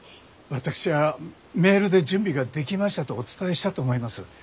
私はメールで「準備が出来ました」とお伝えしたと思います。